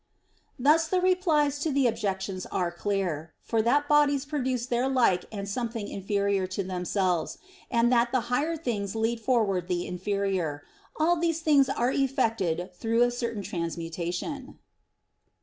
Thus the replies to the objections are clear. For that bodies produce their like or something inferior to themselves, and that the higher things lead forward the inferior all these things are effected through a certain transmutation.